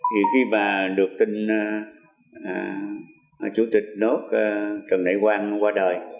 thì khi mà được tin chủ tịch nước trần đại quang qua đời